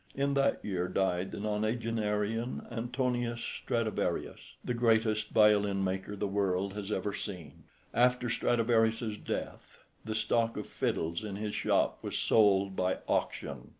In that year died the nonagenarian Antonius Stradivarius, the greatest violin maker the world has ever seen. After Stradivarius's death the stock of fiddles in his shop was sold by auction.